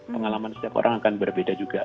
pengalaman setiap orang akan berbeda juga